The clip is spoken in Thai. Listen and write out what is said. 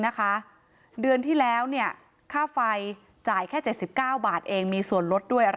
เดือนที่แล้วเนี่ยค่าไฟจ่ายแค่๗๙บาทเองมีส่วนลดด้วยอะไร